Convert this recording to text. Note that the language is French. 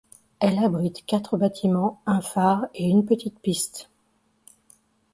Elle abrite quatre bâtiments, un phare et une petite piste.